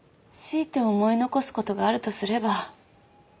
強いて思い残すことがあるとすれば。